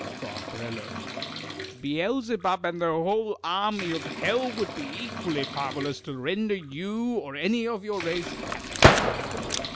Fa7\ Beelzebub and the whole army of hell would be equally powerless to render you or any of your race happy.